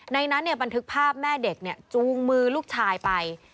นั้นบันทึกภาพแม่เด็กจูงมือลูกชายไป